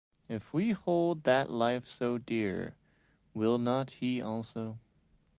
If we hold that life so dear, will not he also?